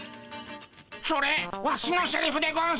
それワシのセリフでゴンス。